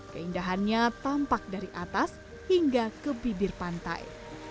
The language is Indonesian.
keindahannya tampak dari atas hingga ke bibir pantai